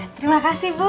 terima kasih bu